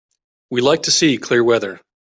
We like to see clear weather.